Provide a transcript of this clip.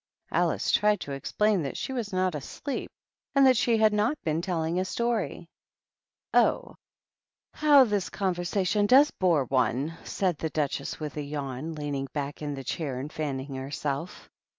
Alice tried to explain that she was not asleep and that she had not been telling a story. " Oh, how all this conversation does bore one I'* said the Duchess, with a yawn, leaning back in the chair and fanning herself.